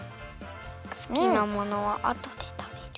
すきなものはあとでたべる。